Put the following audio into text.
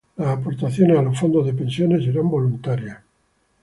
Las aportaciones a los fondos de pensiones serán voluntarias.